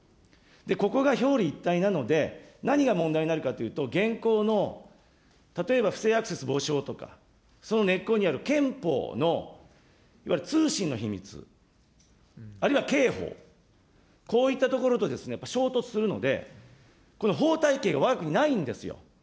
ここが表裏一体なので、何が問題になるかというと、現行の、例えば不正アクセス防止法だとか、その根っこにある憲法のいわゆる通信の秘密、あるいは刑法、こういったところとやっぱり衝突するので、この法体系が、わが国ないんですよ。